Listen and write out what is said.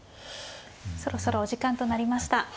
そろそろお時間となりました。